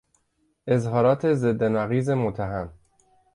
اظهارات ضد و نقیض متهم